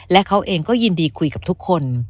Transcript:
และเขาเองก็ยินดีคุยกับทุกคน